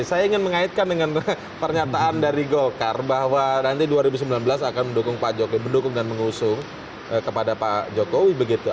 saya ingin mengaitkan dengan pernyataan dari golkar bahwa nanti dua ribu sembilan belas akan mendukung pak jokowi mendukung dan mengusung kepada pak jokowi begitu